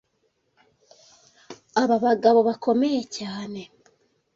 Aba bagabo bakomeye cyane